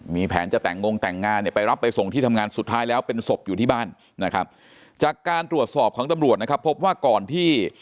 มีแผนจะแต่งงแต่งงานเนี่ยไปรับไปส่งที่ทำงานสุดท้ายแล้วเป็นศพอยู่ที่บ้านนะครับจากการตรวจสอบของตำรวจนะครับพบว่าก่อนที่